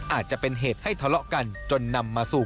อาจจะเป็นเหตุให้ทะเลาะกันจนนำมาสู่